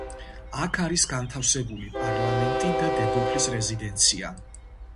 აქ არის განთავსებული პარლამენტი და დედოფლის რეზიდენცია.